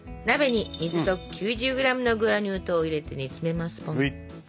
鍋に水と９０ｇのグラニュー糖を入れて煮詰めますポン。